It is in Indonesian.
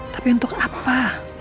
tapi untuk apa